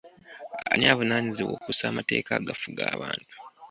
Ani avunaanyizibwa okussa amateeka agafuga abantu?